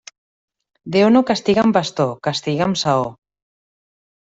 Déu no castiga amb bastó, castiga amb saó.